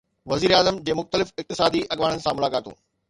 وزيراعظم جي مختلف اقتصادي اڳواڻن سان ملاقاتون